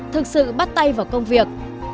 thực sự bắt tay vào công việc